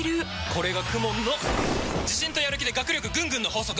これがＫＵＭＯＮの自信とやる気で学力ぐんぐんの法則！